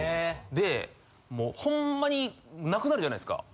でほんまになくなるじゃないですか。